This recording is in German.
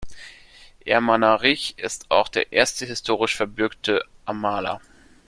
Ermanarich ist auch der erste historisch verbürgte Amaler.